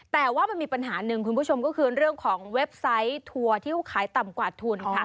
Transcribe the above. แต่ว่ามีปัญหาครั้งหนึ่งว่าคือเรื่องของเว็บไซต์ทัวร์ที่คือขายต่ำกว่าทุน